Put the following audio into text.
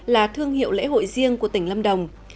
là thương hiệu lễ hội riêng của tỉnh lâm đồng